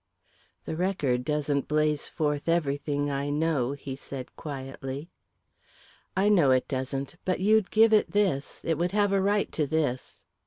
"The Record doesn't blaze forth everything I know," he said quietly. "I know it doesn't, but you'd give it this it would have a right to this."